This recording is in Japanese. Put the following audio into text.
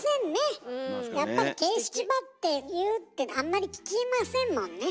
やっぱり形式ばって言うってあんまり聞きませんもんね。